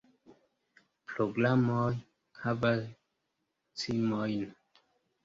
Programoj havas cimojn!